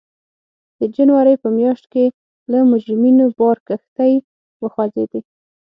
د جنورۍ په میاشت کې له مجرمینو بار کښتۍ وخوځېدې.